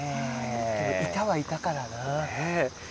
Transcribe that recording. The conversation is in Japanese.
でも、いたはいたからな。